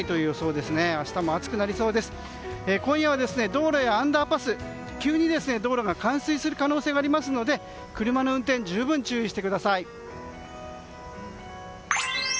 道路やアンダーパスなど急に道路が冠水する確率があるので車の運転に十分注意してください。